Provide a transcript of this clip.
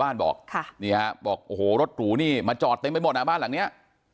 บอกค่ะนี่ฮะบอกโอ้โหรถหรูนี่มาจอดเต็มไปหมดอ่ะบ้านหลังเนี้ย